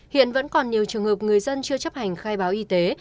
hiện vẫn còn nhiều trường hợp người dân chưa chấp hành khai báo y tế